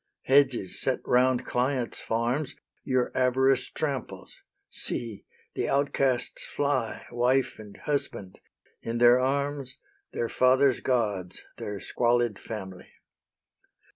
Hedges set round clients' farms Your avarice tramples; see, the outcasts fly, Wife and husband, in their arms Their fathers' gods, their squalid family.